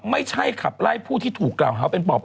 ไม่ใช่ขับไล่ผู้ที่ถูกกล่าวหาเป็นปอบ